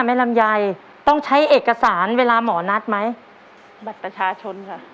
ลำไยต้องใช้เอกสารเวลาหมอนัดไหมบัตรประชาชนค่ะ